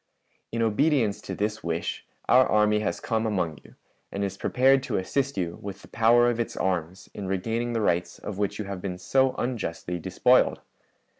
"In obedience to this wish, our army has come among you, and is prepared to assist yon with the power of its arms in regaining the rights of which you have been so unjustly despoiled.